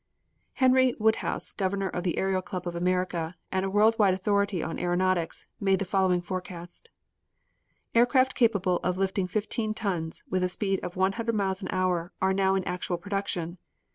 Henry Woodhouse, Governor of the Aero Club of America and a world wide authority on aeronautics, made the following forecast: Aircraft capable of lifting fifteen tons, with a speed of one hundred miles an hour, are now in actual production.